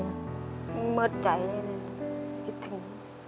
มืดใจคิดถึง